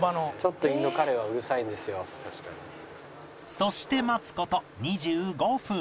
そして待つ事２５分